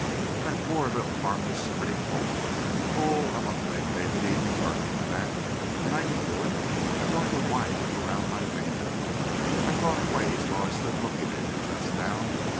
That poor little harmless, pretty colt oh, I want to make David Eden burn for that! And I can do it. I'm going to wind him around my finger. I've thought of ways while I stood looking at him just now.